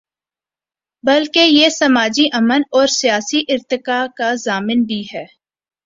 بلکہ یہ سماجی امن اور سیاسی ارتقا کا ضامن بھی ہے۔